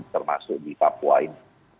termasuk di papua ini